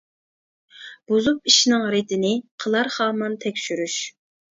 بۇزۇپ ئىشنىڭ رېتىنى، قىلار خامان تەكشۈرۈش.